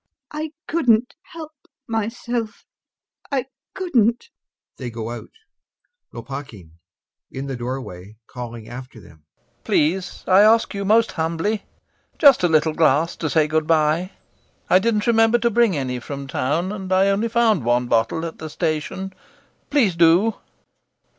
LUBOV. I couldn't help myself, I couldn't! [They go out.] LOPAKHIN. [In the doorway, calling after them] Please, I ask you most humbly! Just a little glass to say good bye. I didn't remember to bring any from town and I only found one bottle at the station. Please, do!